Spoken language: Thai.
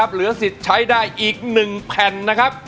เหลือสิทธิ์ใช้ได้อีก๑แผ่นนะครับ